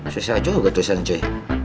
susah juga tulisan cuy